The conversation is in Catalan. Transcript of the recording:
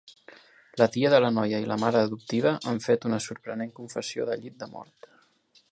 La tia de la noia i la mare adoptiva han fet una sorprenent confessió de llit de mort.